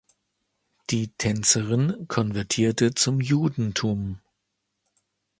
Die Tänzerin konvertierte zum Judentum.